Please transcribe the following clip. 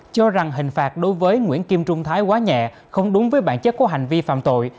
cho rằng hình phạt đối với nguyễn kim trung thái quá nhẹ không đúng với bản chất của hành vi phạm tội